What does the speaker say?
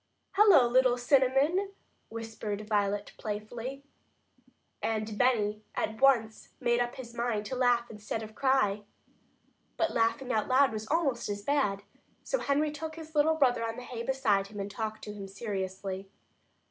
"Hello, little Cinnamon!" whispered Violet playfully. And Benny at once made up his mind to laugh instead of cry. But laughing out loud was almost as bad, so Henry took his little brother on the hay beside him and talked to him seriously.